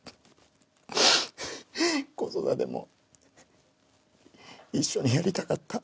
子育ても一緒にやりたかった。